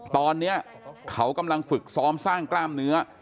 ตอนนี้เขากำลังฝึกซ้อมสร้างกล้ามเนื้อ